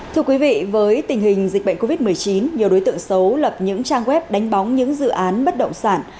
thưa quý vị với tình hình dịch bệnh covid một mươi chín nhiều đối tượng xấu lập những trang web đánh bóng những dự án bất động sản